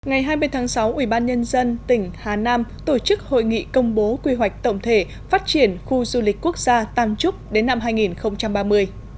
ngày hai mươi tháng sáu ubnd tỉnh hà nam tổ chức hội nghị công bố quy hoạch tổng thể phát triển khu du lịch quốc gia tam trúc đến năm hai nghìn ba mươi